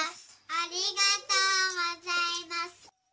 ありがとうございます。